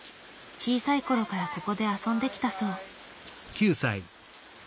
小さいころからここで遊んできたそう。